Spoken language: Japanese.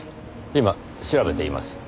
今調べています。